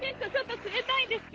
冷たいですね。